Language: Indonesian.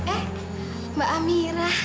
eh mbak amira